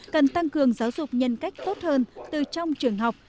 cần tăng cường giáo dục nhân cách tốt hơn từ trong trường học